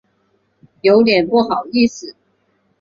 有点不好意思